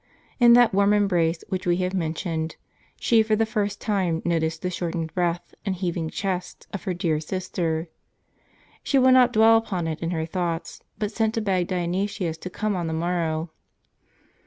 In that Avarm embrace which we have men tioned, she for the first time noticed the shortened breath, and heaving chest of her dear sister. She would not dwell upon it in her thoughts, but sent to beg Dionysius to come on the morrow.